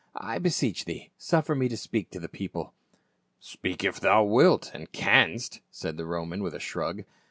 I beseech thee suffer me to speak to the people." "Speak if thou wilt — and canst," said the Roman with a shrug.